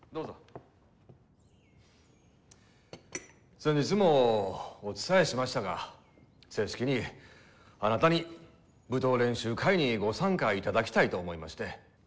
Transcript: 先日もお伝えしましたが正式にあなたに舞踏練習会にご参加いただきたいと思いまして。